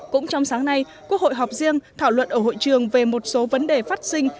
cũng trong sáng nay quốc hội họp riêng thảo luận ở hội trường về một số vấn đề phát sinh